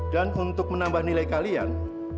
dan untuk menambah nilai kalian